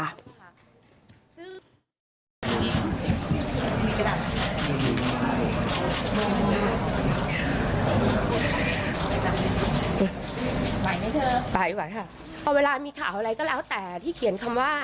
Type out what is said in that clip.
ไหวไหมเธอไหวค่ะพอเวลามีข่าวอะไรก็แล้วแต่ที่เขียนคำว่า